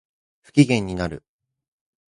不機嫌になる